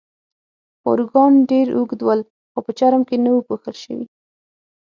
پاروګان ډېر اوږد ول، خو په چرم کې نه وو پوښل شوي.